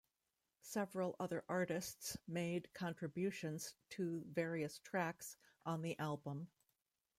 Several other artists made contributions to various tracks on the album.